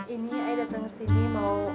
ini ayo dateng kesini mau